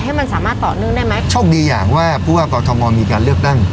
ให้มันสามารถต่อเนื่องได้ไหมโชคดีอย่างว่าผู้ว่ากอทมมีการเลือกตั้ง